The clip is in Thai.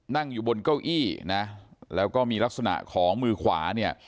นั่งอยู่บนเก้าอี้นะแล้วก็มีลักษณะของมือขวาเนี่ย